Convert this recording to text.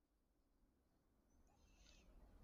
滨海莫厄朗。